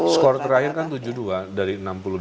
skor terakhir kan tujuh puluh dua dari enam puluh dua